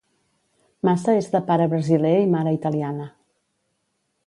Massa és de pare brasiler i mare italiana.